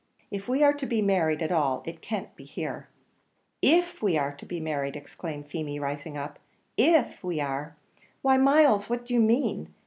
If we are to be married at all, it can't be here." "If we are to be married!" exclaimed Feemy, rising up "if we are! Why, Myles, what do you mean?"